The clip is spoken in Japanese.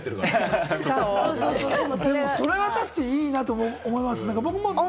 それは確かにいいなと思います。